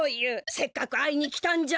せっかく会いに来たんじゃぞ。